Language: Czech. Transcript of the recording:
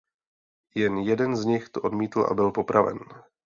Jen jeden z nich to odmítl a byl popraven.